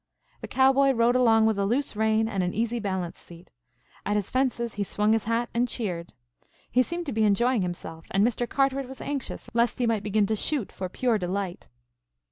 The cowboy rode along with a loose rein and an easy balance seat. At his fences he swung his hat and cheered. He seemed to be enjoying himself, and Mr. Carteret was anxious lest he might begin to shoot for pure delight.